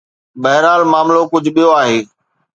بهرحال معاملو ڪجهه ٻيو آهي.